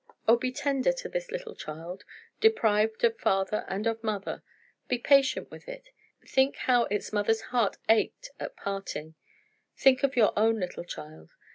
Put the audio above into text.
Oh, be tender to this little child, deprived of father and of mother. Be patient with it; think how its mother's heart ached at parting: think of your own little child.